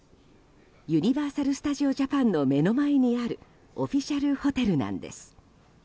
ユニバーサル・スタジオ・ジャパンの目の前にあるオフィシャルホテルなんです。